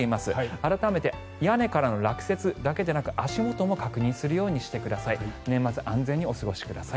改めて屋根からの落雪だけでなく足元も確認するようにしてください。